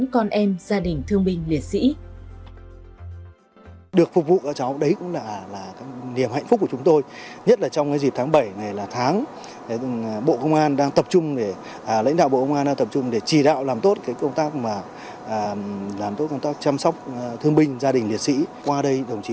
còn em gia đình thương binh liệt sĩ